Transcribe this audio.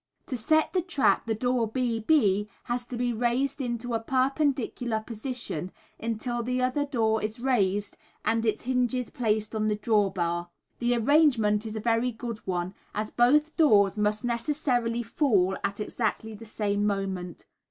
To set the trap the door B B has to be raised into a perpendicular position, until the other door is raised and its hinges placed on the draw bar. The arrangement is a very good one; as both doors must necessarily fall at exactly the same moment.